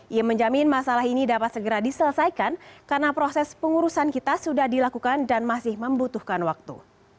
ia menjamin masalah ini dapat segera diselesaikan karena proses pengurusan kita sudah dilakukan dan masih membutuhkan waktu